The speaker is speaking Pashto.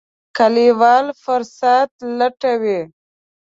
کلیوال فرصت لټوي.